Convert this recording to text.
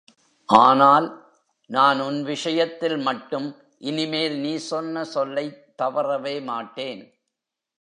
ஆனால், நான் உன் விஷயத்தில் மட்டும் இனிமேல் நீ சொன்ன சொல்லைத் தவறவே மாட்டேன்.